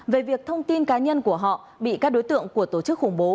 về việc thông tin cá nhân của họ bị các đối tượng của tổ chức khủng bố